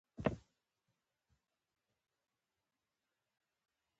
سیلابونه د افغانستان د اقلیم یوه بله ځانګړتیا ده.